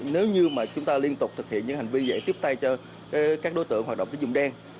nếu như mà chúng ta liên tục thực hiện những hành vi dễ tiếp tay cho các đối tượng hoạt động tính dụng đen